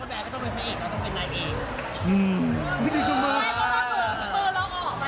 ก็เล่ามากพูดมากเฮ้ยเพราะว่ามันต้องลงมือลองออกมัน